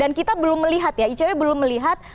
dan kita belum melihat ya icw belum melihat